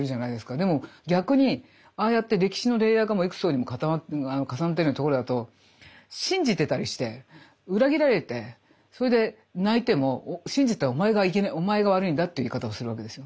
でも逆にああやって歴史のレイヤーが幾層にも重なってるようなところだと信じてたりして裏切られてそれで泣いても信じたおまえが悪いんだっていう言い方をするわけですよ。